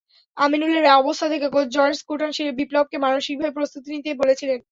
আমিনুলের অবস্থা দেখে coach Jorge কোটান বিপ্লবকে মানসিকভাবে প্রস্তুতি নিতে বলেছিলেন।